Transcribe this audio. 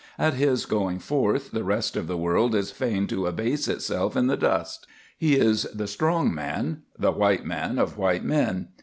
At his going forth the rest of the world is fain to abase itself in the dust. He is the strong man, the white man of white men.